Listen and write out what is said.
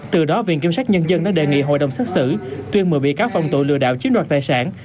từ đó viện kiểm soát nhân dân đã đề nghị hội đồng xác xử tuyên mời bị cáo phòng tội lừa đạo chiếm đoạt tài sản